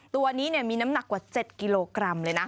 ตัวนี้มีน้ำหนักกว่า๗กิโลกรัมเลยนะ